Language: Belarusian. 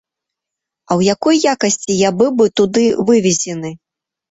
А ў якой якасці я быў бы туды вывезены?